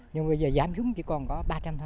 nhưng bây giờ giảm xuống chỉ còn có ba trăm linh thôi